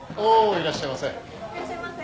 いらっしゃいませ。